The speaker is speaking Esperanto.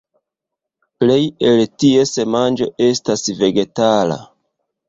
Plej el ties manĝo estas vegetala.